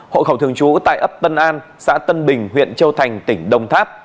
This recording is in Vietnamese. hộ khẩu thường trú tại ấp tân an xã tân bình huyện châu thành tỉnh đồng tháp